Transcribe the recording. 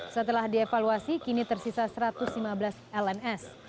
setelah dievaluasi kini tersisa satu ratus lima belas lns